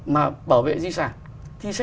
mà bảo vệ di sản thì sẽ